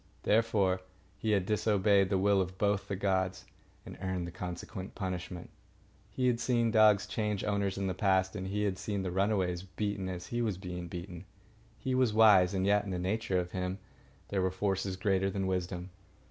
Therefore, he had disobeyed the will of both the gods, and earned the consequent punishment. He had seen dogs change owners in the past, and he had seen the runaways beaten as he was being beaten. He was wise, and yet in the nature of him there were forces greater than wisdom.